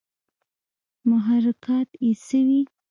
محرکات ئې څۀ وي